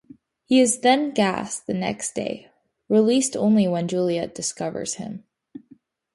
He is then gassed the next day, released only when Juliet discovers him.